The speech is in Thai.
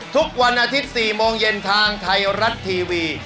ทุกวันอาทิตย์๔โมงเย็นทางไทยรัฐทีวี